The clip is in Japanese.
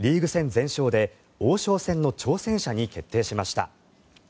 全勝で王将戦の挑戦者に決定しました。